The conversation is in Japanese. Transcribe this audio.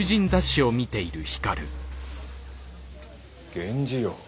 源氏よ